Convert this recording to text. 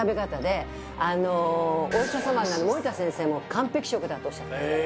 お医者様の森田先生も完璧食だとおっしゃってました